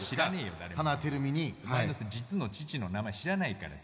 実の父の名前知らないからテルミって。